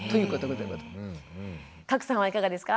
加耒さんはいかがですか？